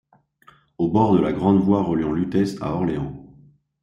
Au bord de la grande voie reliant Lutèce à Orléans.